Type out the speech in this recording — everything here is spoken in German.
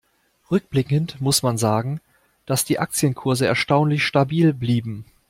Rückblickend muss man sagen, dass die Aktienkurse erstaunlich stabil blieben.